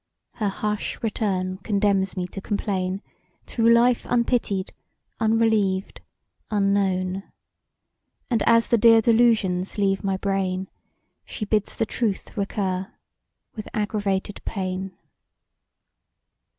Her harsh return condemns me to complain Through life unpitied, unrelieved, unknown. And as the dear delusions leave my brain, She bids the truth recur with aggravated pain.